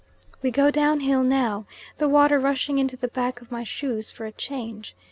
We go down hill now, the water rushing into the back of my shoes for a change.